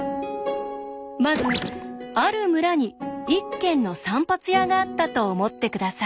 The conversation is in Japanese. まずある村に１軒の散髪屋があったと思って下さい。